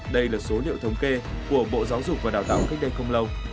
đây là số liệu thống kê của bộ giáo dục và đào tạo cách đây không lâu